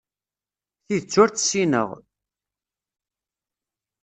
Tidet ur tt-ssineɣ.